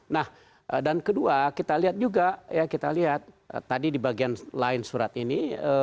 nah dan kedua kita lihat juga ya kita lihat tadi di bagian lain surat ini